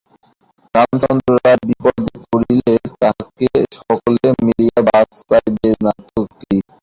রামচন্দ্র রায় বিপদে পড়িলে তাঁহাকে সকলে মিলিয়া বাঁচাইবে না তো কী!